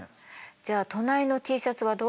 じゃあ隣のＴシャツはどう？